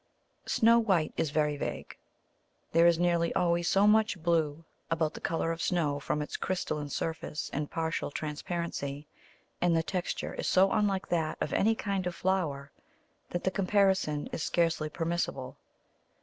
Snow white is very vague. There is nearly always so much blue about the colour of snow, from its crystalline surface and partial transparency, and the texture is so unlike that of any kind of flower, that the comparison is scarcely permissible.